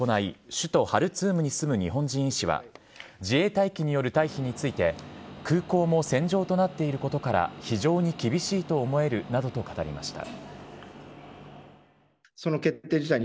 首都ハルツームに住む日本人医師は自衛隊機による退避について空港も戦場となっていることから非常に厳しいと思えるなどと語りました。